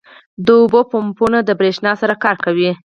• د اوبو پمپونه د برېښنا سره کار کوي.